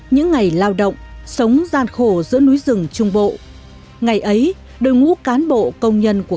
những ngày lao động sống gian khổ giữa núi rừng trung bộ ngày ấy đội ngũ cán bộ công nhân của